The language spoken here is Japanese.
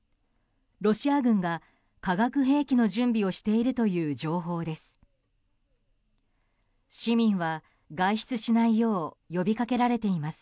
ロシア軍が化学兵器の準備をしているという情報です。